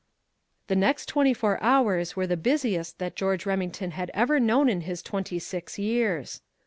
The next twenty four hours were the busiest that George Remington had ever known in his twenty six years.